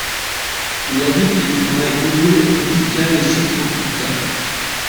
Il habite les forêts humides tropicales et subtropicales.